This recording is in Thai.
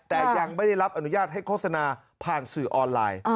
แต่ยังไม่ได้รับอนุญาตให้โฆษณาผ่านสื่อออนไลน์